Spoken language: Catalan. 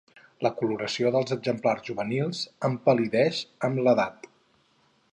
La coloració dels exemplars juvenils empal·lideix amb l'edat.